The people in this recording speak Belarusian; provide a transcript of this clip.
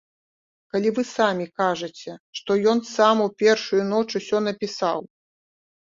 Калі вы самі кажаце, што ён сам у першую ноч усё напісаў?